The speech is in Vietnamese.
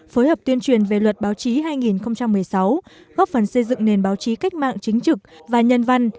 phối hợp tuyên truyền về luật báo chí hai nghìn một mươi sáu góp phần xây dựng nền báo chí cách mạng chính trực và nhân văn